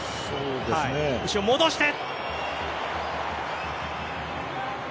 後ろ、戻して。